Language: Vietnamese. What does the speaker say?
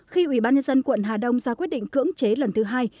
khi ủy ban nhân dân quận hà đông ra quyết định cưỡng chế lần thứ hai